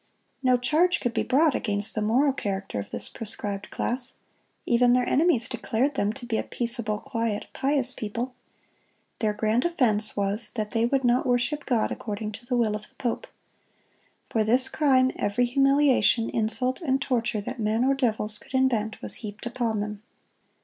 No charge could be brought against the moral character of this proscribed class. Even their enemies declared them to be a peaceable, quiet, pious people. Their grand offense was that they would not worship God according to the will of the pope. For this crime, every humiliation, insult, and torture that men or devils could invent was heaped upon them.